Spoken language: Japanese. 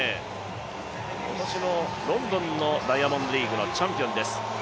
今年のロンドンのダイヤモンドリーグのチャンピオンです。